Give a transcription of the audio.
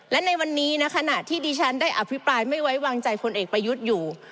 และในวันนี้นะขณะที่ดิฉันได้อภิปรายไม่ไว้วางใจพลเอกประยุทธ์อยู่